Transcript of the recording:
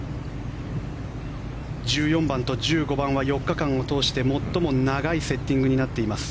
１４番と１５番は４日間を通して最も長いセッティングになっています。